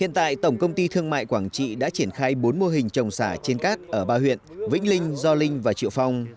hiện tại tổng công ty thương mại quảng trị đã triển khai bốn mô hình trồng xả trên cát ở ba huyện vĩnh linh do linh và triệu phong